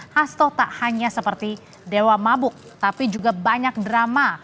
hasto tak hanya seperti dewa mabuk tapi juga banyak drama